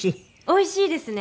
おいしいですね。